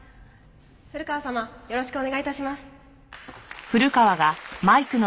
古河様よろしくお願い致します。